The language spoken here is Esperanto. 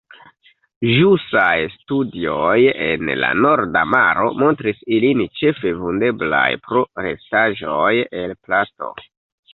Ĵusaj studioj en la Norda Maro montris ilin ĉefe vundeblaj pro restaĵoj el plasto.